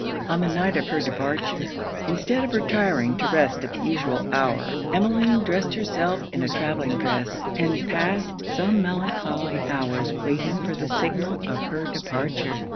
On the night of her departure, instead of retiring to rest at the usual hour, Emmeline dressed herself in a travelling dress, and passed some melancholy hours waiting for the signal of her departure.